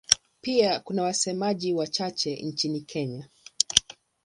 Pia kuna wasemaji wachache nchini Kenya.